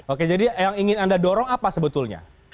oke jadi yang ingin anda dorong apa sebetulnya